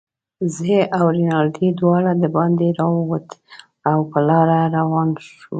زه او رینالډي دواړه دباندې راووتو، او په لاره روان شوو.